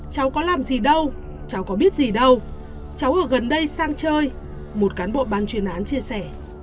cháu có làm gì đâu cháu có biết gì đâu cháu ở gần đây sang chơi một cán bộ ban chuyên án chia sẻ